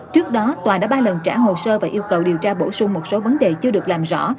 trước đó tòa đã ba lần trả hồ sơ và yêu cầu điều tra bổ sung một số vấn đề chưa được làm rõ